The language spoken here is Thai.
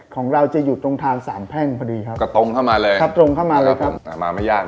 ของเราจะอยู่ตรงทางสามแพ่งพอดีครับกับตรงเข้ามาเลย